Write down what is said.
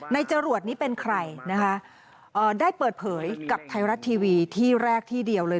จรวดนี้เป็นใครนะคะได้เปิดเผยกับไทยรัฐทีวีที่แรกที่เดียวเลย